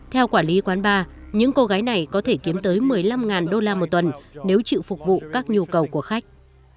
theo quản lý quán bar những cô gái này có thể kiếm tới một mươi năm đô la một tuần nếu chịu phục vụ các nhu cầu của khách